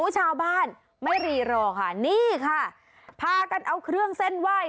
ชาวบ้านไม่รีรอค่ะนี่ค่ะพากันเอาเครื่องเส้นไหว้